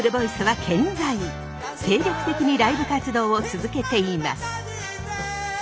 精力的にライブ活動を続けています。